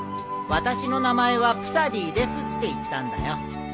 「私の名前はプサディです」って言ったんだよ。